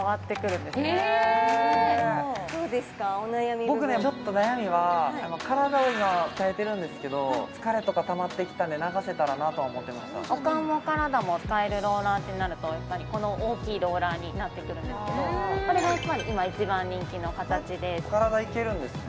お悩み部分僕ねちょっと悩みは体を今鍛えてるんですけど疲れとかたまってきたんで流せたらなとは思ってましたお顔もお体も使えるローラーってなるとやっぱりこの大きいローラーになってくるんですけどこれがやっぱり今一番人気の形で体いけるんですね